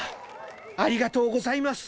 ありがとうございます。